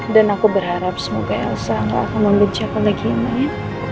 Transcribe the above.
dan aku berharap semoga elsa gak akan membenca pelagiin ma ya